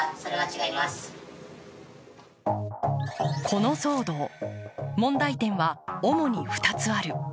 この騒動、問題点は主に２つある。